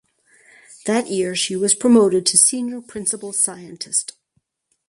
That year she was promoted to Senior Principal Scientist.